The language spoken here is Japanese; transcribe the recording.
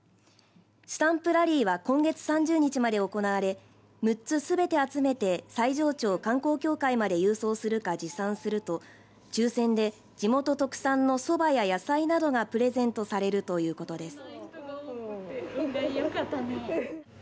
スタンプラリーは今月３０日まで行われ６つすべて集めて西城町観光協会まで郵送するか持参すると抽せんで地元特産のそばや野菜などがプレゼントされるということです。